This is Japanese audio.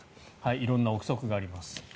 色んな臆測があります。